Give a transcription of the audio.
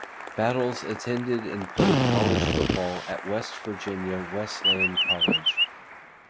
Battles attended and played college football at West Virginia Wesleyan College.